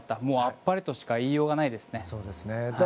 もうあっぱれとしか言いようがないですね。